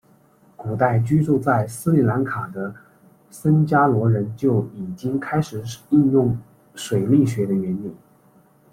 古代居住在斯里兰卡的僧伽罗人就已经开始应用水力学的原理。